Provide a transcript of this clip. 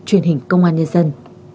truyền hình công an nhân dân